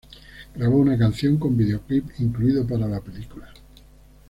Grabó una canción con videoclip incluido para la película.